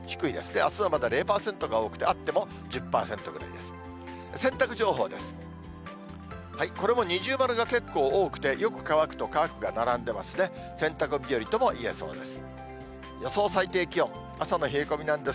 あすはまだ０％が多くて、あっても１０％ぐらいです。